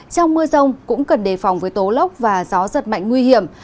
trong mưa rông cũng cần đề phòng với tố lốc và gió giật mạnh nguy hiểm